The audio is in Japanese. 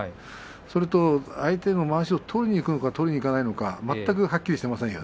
それと相手のまわしを取りにいくのか取りにいかないのか全くはっきりしていません。